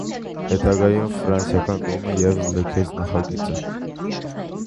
Հետագայում ֆրանսիական կողմը ևս լքեց նախագիծը։